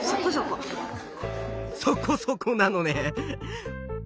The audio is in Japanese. そこそこなのね。